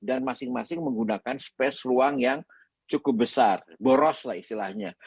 dan masing masing menggunakan space ruang yang cukup besar boros lah istilahnya